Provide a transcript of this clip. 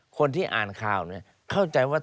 คนที่อ่านข่าวเนี่ยเข้าใจว่า